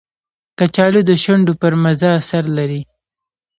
کچالو د شونډو پر مزه اثر لري